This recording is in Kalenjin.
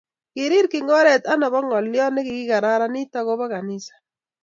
Kirir kingoret anobo ngalyot nekikararanit akobo kanisa